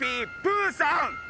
プーさん。